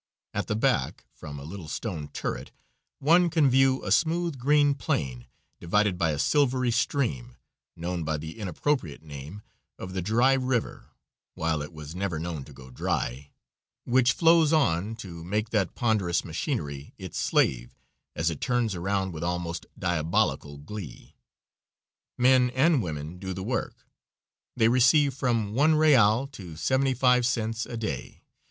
At the back, from a little stone turret, one can view a smooth green plain divided by a silvery stream known by the inappropriate name of the Dry River, while it was never known to go dry which flows on to make that ponderous machinery its slave, as it turns around with almost diabolical glee. Men and women do the work. They receive from one real to seventy five cents a day.